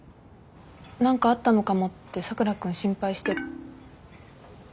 何かあったのかもって佐倉君心配して。